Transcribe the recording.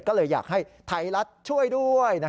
ก็เลยอยากให้ไทยรัฐช่วยด้วย